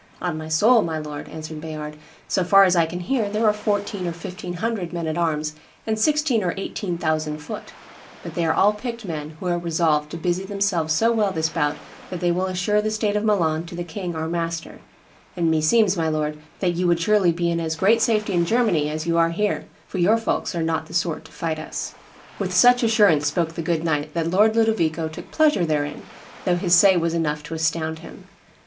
'On my soul, my lord,' answered Bayard, 'so far as I can hear, there are fourteen or fifteen hundred men at arms and sixteen or eighteen thousand foot; but they are all picked men, who are resolved to busy themselves so well this bout that they will assure the state of Milan to the king our master; and meseems, my lord, that you would surely be in as great safety in Germany as you are here, for your folks are not the sort to fight us.' With such assurance spoke the good knight that Lord Ludovico took pleasure there in, though his say was enough to astound him.